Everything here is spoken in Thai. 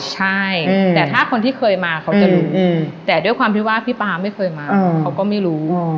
ใช่แต่ถ้าคนที่เคยมาเขาจะรู้แต่ด้วยความที่ว่าพี่ป๊าไม่เคยมาเขาก็ไม่รู้